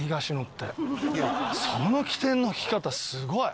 その機転の利き方すごい。